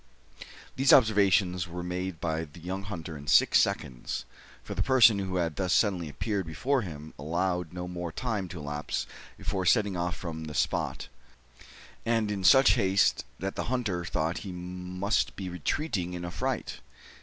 These observations were made by the young hunter in six seconds; for the person who had thus suddenly appeared before him allowed no more time to elapse before setting off from the spot, and in such haste that the hunter thought he must be retreating in affright.